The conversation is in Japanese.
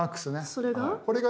それが？